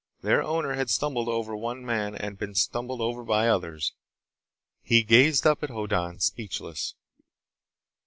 Their owner had stumbled over one man and been stumbled over by others. He gazed up at Hoddan, speechless.